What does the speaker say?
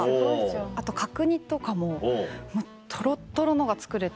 あと角煮とかももうとろっとろのが作れて。